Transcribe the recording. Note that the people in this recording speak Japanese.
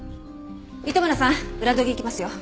糸村さん裏取り行きますよ。